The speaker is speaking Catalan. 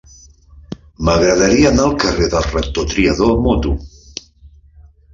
M'agradaria anar al carrer del Rector Triadó amb moto.